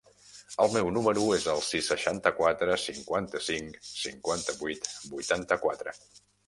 El meu número es el sis, seixanta-quatre, cinquanta-cinc, cinquanta-vuit, vuitanta-quatre.